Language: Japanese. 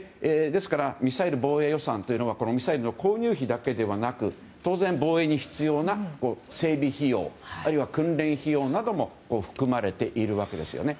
ですから、ミサイル防衛予算はミサイルの購入費だけでなく当然、防衛に必要な整備費用あるいは訓練費用なども含まれているわけですね。